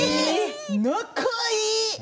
仲いい。